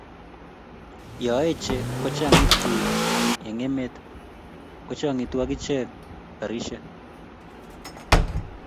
yo eche, kochangit biik eng emet kochangitu agiche karishek